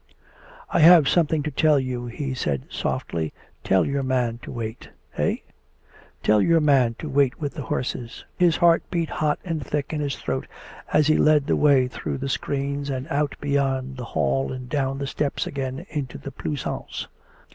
" I have something to tell you," he said softly. " Tell your man to wait." "Eh?" " Tell your man to wait with the horses." His heart beat hot and thick in his throat as he led the way through the screens and out beyond the hall and down the steps again into the pleasaunce.